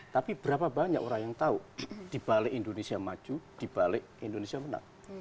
tapi berapa banyak orang yang tahu dibalik indonesia maju dibalik indonesia menang